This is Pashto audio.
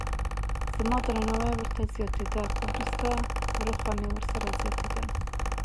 زما درناوی ورته زیاتېده خو وروسته رخه مې ورسره زیاتېدله.